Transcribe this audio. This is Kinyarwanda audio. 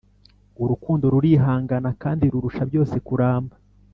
urukundo rurihangana kandi rurusha byose kuramba